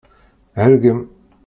Hergem!